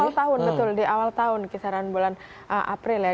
awal tahun betul di awal tahun kisaran bulan april ya